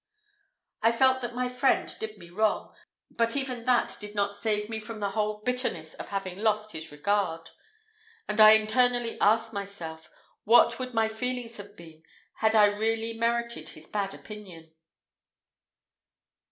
I felt that my friend did me wrong, but even that did not save me from the whole bitterness of having lost his regard. And I internally asked myself, what would my feelings have been, had I really merited his bad opinion?